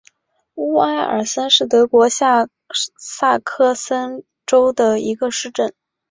乌埃尔森是德国下萨克森州的一个市镇。